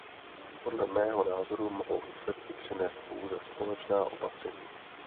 Podle mého názoru mohou výsledky přinést pouze společná opatření.